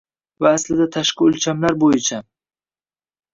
va aslida, tashqi o‘lchamlar bo‘yicha